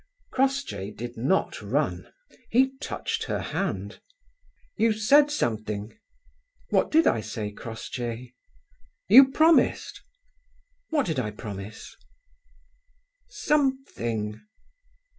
Crossjay did not run. He touched her hand. "You said something?" "What did I say, Crossjay?" "You promised." "What did I promise?" "Something."